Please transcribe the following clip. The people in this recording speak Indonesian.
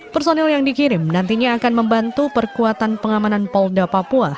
personil yang dikirim nantinya akan membantu perkuatan pengamanan polda papua